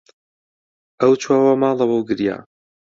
ئەو چووەوە ماڵەوە و گریا.